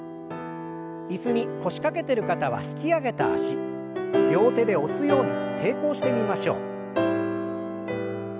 椅子に腰掛けてる方は引き上げた脚両手で押すように抵抗してみましょう。